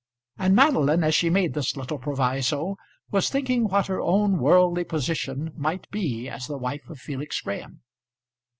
And Madeline as she made this little proviso was thinking what her own worldly position might be as the wife of Felix Graham.